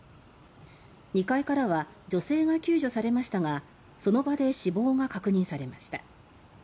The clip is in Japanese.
２階からは女性が救助されましたがその場で死亡が確認されました。